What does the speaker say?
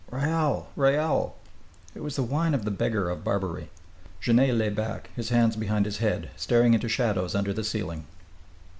Raoul! Raoul!" It was the whine of the beggar of Barbary. Genet lay back, his hands behind his head, staring into shadows under the ceiling.